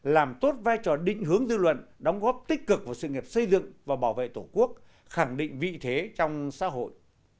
làm tốt vai trò định hướng dư luận đóng góp tích cực vào sự nghiệp xây dựng và bảo vệ tổ quốc khẳng định vị thế trong xã hội